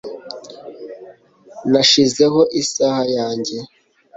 nashizeho isaha yanjye